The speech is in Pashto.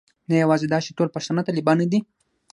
نه یوازې دا چې ټول پښتانه طالبان نه دي.